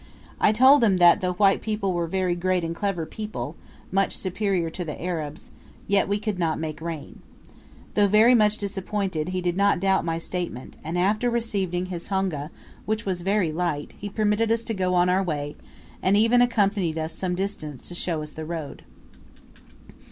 I told him that though white people were very great and clever people, much superior to the Arabs, yet we could not make rain. Though very much disappointed, he did not doubt my statement, and after receiving his honga, which was very light, he permitted us to go on our way, and even accompanied us some distance to show us the road.